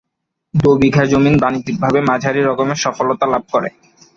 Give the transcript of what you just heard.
দো বিঘা জমিন বাণিজ্যিকভাবে মাঝারি রকমের সফলতা লাভ করে।